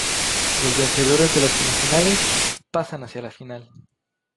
Los vencedores de las Semifinales pasan hacia la Final.